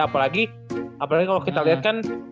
apalagi apalagi kalau kita lihat kan